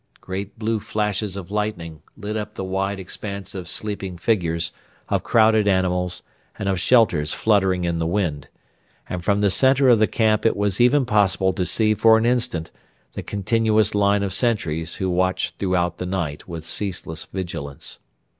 Great blue flashes of lightning lit up the wide expanse of sleeping figures, of crowded animals, and of shelters fluttering in the wind; and from the centre of the camp it was even possible to see for an instant the continuous line of sentries who watched throughout the night with ceaseless vigilance.